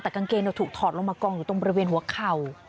แต่กางเกงถูกถอดลงมากองอยู่ตรงบริเวณหัวเข่า